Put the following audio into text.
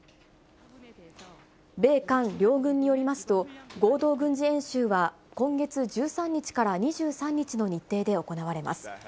米韓両軍によりますと、合同軍事演習は、今月１３日から２３日の日程で行われます。